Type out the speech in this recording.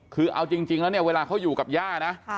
คือเอาจริงแล้วเนี่ยเวลาเขาอยู่กับย่านะ